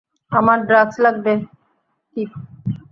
আমার ড্রাগস লাগবে, কিপ।